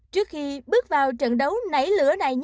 trước khi bước vào trận đấu nảy lửa này